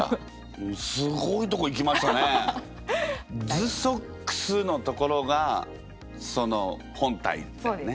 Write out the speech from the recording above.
「ズソックス」のところがその本体ですね。